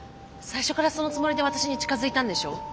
最初からそのつもりで私に近づいたんでしょ？